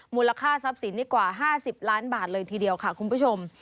มูลค่าทรัพย์สินนี่กว่า๕๐ล้านบาทเลยทีเดียวค่ะคุณผู้ชม